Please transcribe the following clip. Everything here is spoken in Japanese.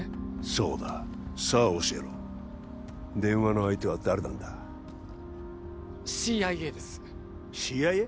そうださあ教えろ電話の相手は誰なんだＣＩＡですＣＩＡ！？